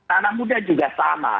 anak muda juga sama